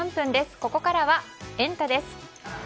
ここからはエンタ！です。